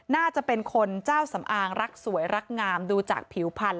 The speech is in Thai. น่าจะเป็นคนเจ้าสำอางรักสวยรักงามดูจากผิวพันธ